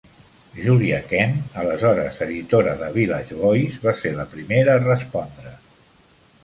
Julia Kent, aleshores editora de Village Voice, va ser la primera a respondre.